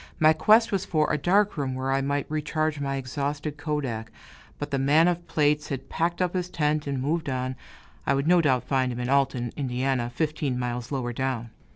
My quest was for a dark room where I might recharge my exhausted kodak; but the man of plates had packed up his tent and moved on I would no doubt find him in Alton, Ind., fifteen miles lower down.